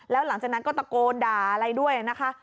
แล้วหลังจากนั้นก็ตะโกนด่าอะไรด้วยนะคะ